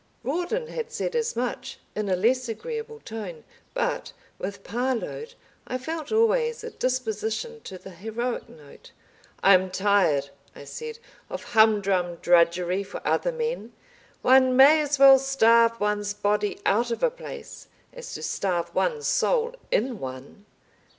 Rawdon had said as much, in a less agreeable tone. But with Parload I felt always a disposition to the heroic note. "I'm tired," I said, "of humdrum drudgery for other men. One may as well starve one's body out of a place as to starve one's soul in one."